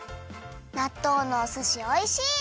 なっとうのおすしおいしい！